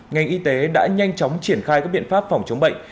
ngành y tế đã nhanh chóng triển khai các biện pháp phòng chống bệnh